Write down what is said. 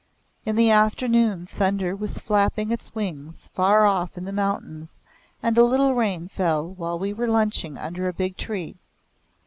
In the afternoon thunder was flapping its wings far off in the mountains and a little rain fell while we were lunching under a big tree.